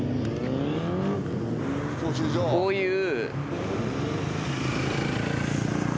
こういう。